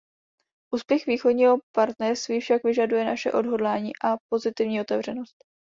Úspěch Východního partnerství však vyžaduje naše odhodlání a pozitivní otevřenost.